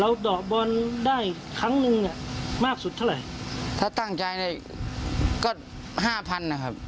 เราเตาะบอลได้ครั้งหนึ่งมากสุดเท่าไรถ้าตั้งใจได้ก็ห้าพันครับ